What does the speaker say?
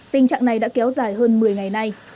tình trạng này đã kéo dài hơn một mươi ngày nay